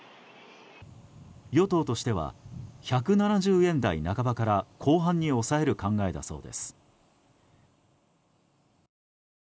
与党としては１７０円台半ばから後半に抑える考えだそうです。